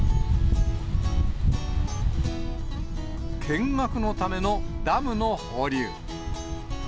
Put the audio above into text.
見学のためのダムの放流。